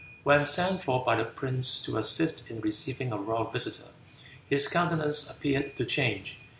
When sent for by the prince to assist in receiving a royal visitor, his countenance appeared to change.